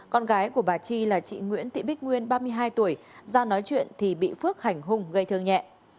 con gái của bà chi là chị nguyễn thị bích nguyên ba mươi hai tuổi ra nói chuyện thì bị phước hành hung gây thương nhẹ